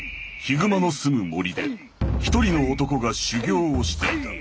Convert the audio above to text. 熊の住む森で一人の男が修行をしていた。